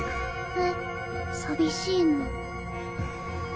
え寂しいの。